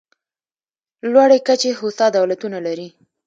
لوړې کچې هوسا دولتونه لري.